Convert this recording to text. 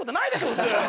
普通。